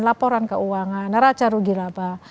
laporan keuangan neraca rugi laba